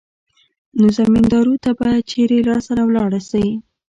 نو زمينداورو ته به چېرې راسره ولاړه سي.